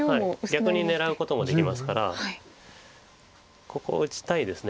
逆に狙うこともできますからここ打ちたいです。